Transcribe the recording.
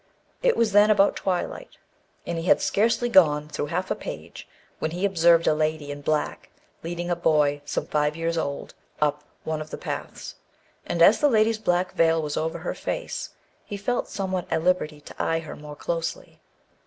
It was then about twilight, and he had scarcely gone through half a page, when he observed a lady in black, leading a boy, some five years old, up one of the paths; and as the lady's black veil was over her face, he felt somewhat at liberty to eye her more closely.